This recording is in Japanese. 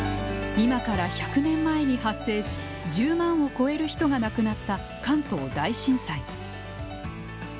今から１００年前に発生し１０万を超える人が亡くなった関東大震災。